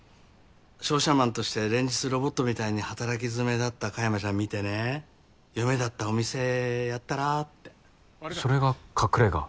商社マンとして連日ロボットみたいに働きづめだった香山ちゃん見てね「夢だったお店やったら？」ってそれが隠れ家？